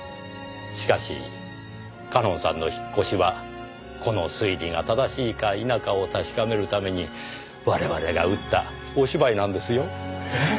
しかし夏音さんの引っ越しはこの推理が正しいか否かを確かめるために我々が打ったお芝居なんですよ。え？